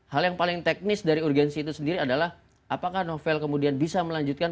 hal yang paling teknis dari urgensi itu sendiri adalah apakah novel kemudian bisa melanjutkan